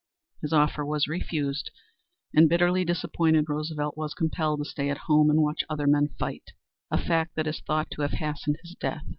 His offer was refused, and, bitterly disappointed, Roosevelt was compelled to stay at home and watch other men fight a fact that is thought to have hastened his death.